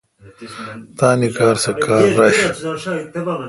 تان کار سہ کار رݭ۔